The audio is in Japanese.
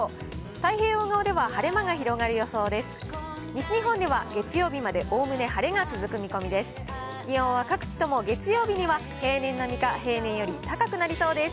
太平洋側では晴れ間が広がる予想です。